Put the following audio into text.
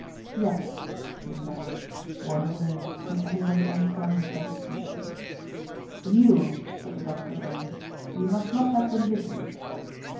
"Yes," came back one word, and everybody unslung his double piece. "The mules," said the doctor then "we must not have them bitten."